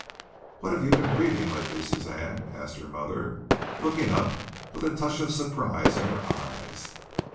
"What have you been reading lately, Suzanne?" asked her mother, looking up with a touch of surprise in her eyes.